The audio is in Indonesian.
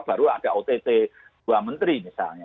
baru ada ott dua menteri misalnya